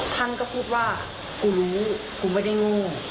ท่านก็พูดว่ากูรู้กูไม่ได้โง่